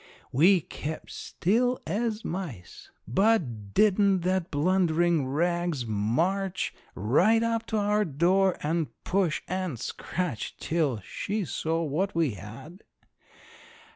We kep' still as mice. But didn't that blunderin' rags march right up to our door and push and scratch till she saw what we had?